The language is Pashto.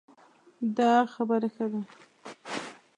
دا خبره ښه ده